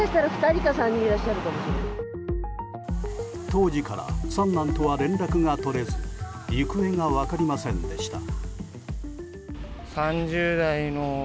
当時から三男とは連絡が取れず行方が分かりませんでした。